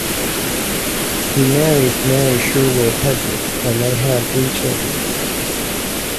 He married Mary Sherwood Hedrick and they had three children.